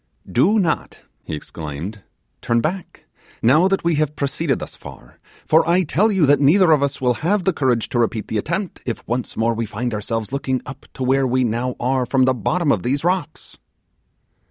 'Do not,' he exclaimed, 'turn back, now that we have proceeded thus far; for I tell you that neither of us will have the courage to repeat the attempt, if once more we find ourselves looking up to where we now are from the bottom of these rocks!